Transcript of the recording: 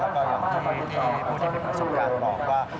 แล้วก็อย่างที่ผู้ที่มีประสบการณ์บอกว่า